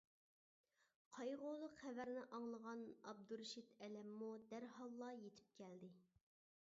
قايغۇلۇق خەۋەرنى ئاڭلىغان ئابدۇرېشىت ئەلەممۇ دەرھاللا يېتىپ كەلدى.